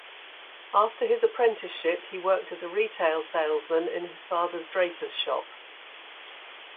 After his apprenticeship he worked as retail salesman in his father's draper's shop.